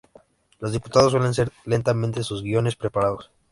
Los diputados suelen leer lentamente sus guiones preparados.